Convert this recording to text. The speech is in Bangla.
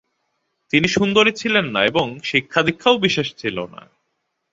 তিনি সুন্দরী ছিলেন না এবং শিক্ষাদীক্ষাও বিশেষ ছিল না ।